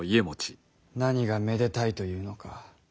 何がめでたいというのか。